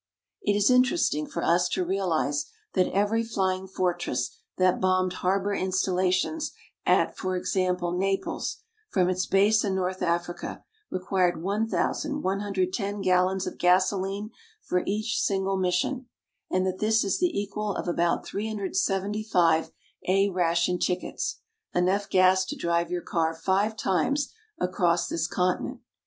It is interesting for us to realize that every flying fortress that bombed harbor installations at, for example, Naples, from its base in North Africa required 1,110 gallons of gasoline for each single mission, and that this is the equal of about 375 "A" ration tickets enough gas to drive your car five times across this continent.